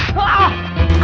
kamu harus pergi